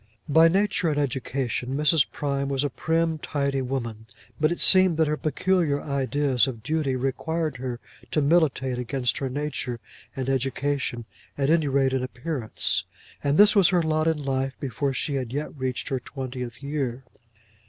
By nature and education Mrs. Prime was a prim, tidy woman, but it seemed that her peculiar ideas of duty required her to militate against her nature and education, at any rate in appearance. And this was her lot in life before she had yet reached her twentieth year!